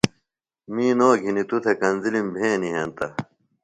می نو گِھنیۡ توۡ تھےۡ کنزِلِم بھینِم ہنتہ۔